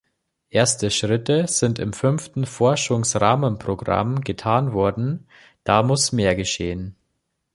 Erste Schritte sind im fünften Forschungsrahmenprogramm getan worden, da muss mehr geschehen.